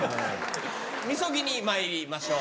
禊にまいりましょう。